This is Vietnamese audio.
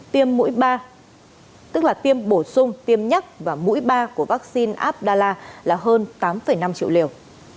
tiêm mũi ba tức là tiêm bổ sung tiêm nhắc và mũi ba của vaccine abdallah là hơn tám năm triệu liều